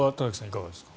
いかがですか。